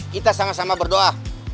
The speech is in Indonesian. kita sama sama berdoa